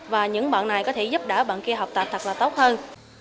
và những bạn này có thể giúp đỡ bạn kia học tập thật là tốt hơn